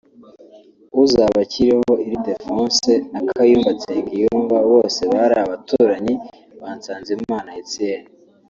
Uzabakiriho Ildephonse na Kayumba Nsengiyumva bose bari abaturanyi ba Nsanzimana Etienne